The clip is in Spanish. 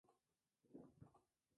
Griffith y Cecil B. DeMille.